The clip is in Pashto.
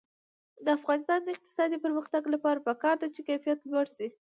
د افغانستان د اقتصادي پرمختګ لپاره پکار ده چې کیفیت لوړ شي.